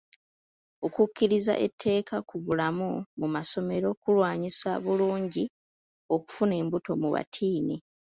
Okukkiriza etteeka ku bulamu mu masomero kulwanyisa bulungi okufuna embuto mu batiini.